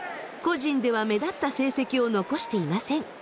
個人では目立った成績を残していません。